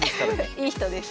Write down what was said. いい人です。